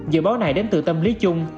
dự báo này đến từ tâm lý chung